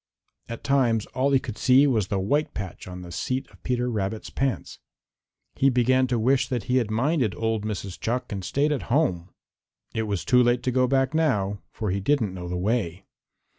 At times all he could see was the white patch on the seat of Peter Rabbit's pants. He began to wish that he had minded old Mrs. Chuck and stayed at home. It was too late to go back now, for he didn't know the way.